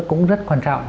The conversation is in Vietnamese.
cũng rất quan trọng